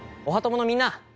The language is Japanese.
おはトモのみんな！